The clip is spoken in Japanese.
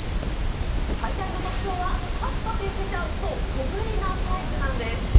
最大の特徴は、ぱくぱくいけちゃう、そう、小ぶりなサイズなんです。